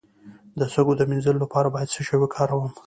د سږو د مینځلو لپاره باید څه شی وکاروم؟